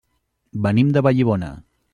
Venim de Vallibona.